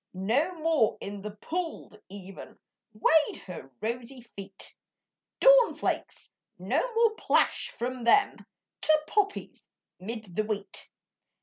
No more in the poolèd Even Wade her rosy feet, Dawn flakes no more plash from them To poppies 'mid the wheat.